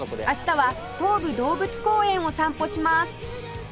明日は東武動物公園を散歩します